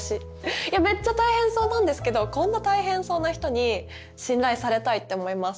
いやめっちゃ大変そうなんですけどこんな大変そうな人に信頼されたいって思います。